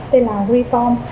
tên là reform